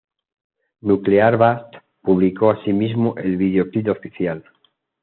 Nuclear Blast publicó asimismo el videoclip oficial.